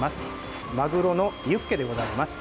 マグロのユッケでございます。